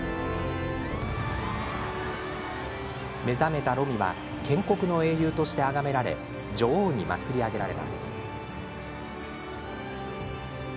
目覚めたロミは建国の英雄として、あがめられ女王に祭り上げられます。